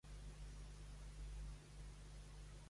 Va néixer a Zaragoza, Aragó, al si d'una antiga família aragonesa.